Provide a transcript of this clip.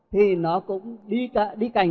thì nó cũng đi cạnh